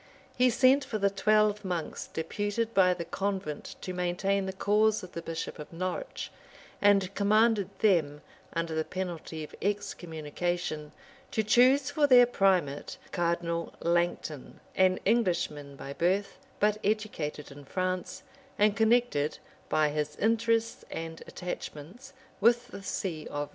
He sent for the twelve monks deputed by the convent to maintain the cause of the bishop of Norwich; and commanded them, under the penalty of excommunication, to choose for their primate, Cardinal Langton, an Englishman by birth, but educated in France, and connected, by his interests and attachments, with the see of Rome.